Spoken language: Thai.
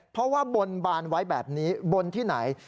เพราะว่าบนบานไว้แบบนี้บนที่ไหน